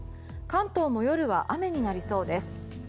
関東も夜は雨になりそうです。